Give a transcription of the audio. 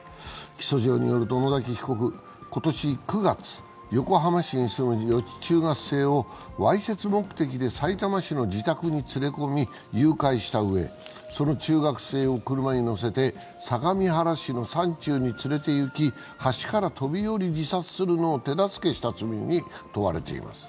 起訴状によると野崎被告、今年９月、横浜市に住む女子中学生をわいせつ目的でさいたま市の自宅に連れ込み誘拐したうえでその中学生を車に乗せて相模原市の山中に連れて行き橋から飛び降り自殺するのを手助けした罪に問われています。